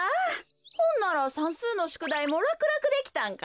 ほんならさんすうのしゅくだいもらくらくできたんか？